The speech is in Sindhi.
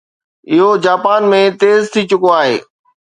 اهو جاپان ۾ تيز ٿي چڪو آهي